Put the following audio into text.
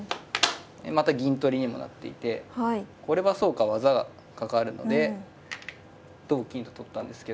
また銀取りにもなっていてこれはそうか技がかかるので同金と取ったんですけど。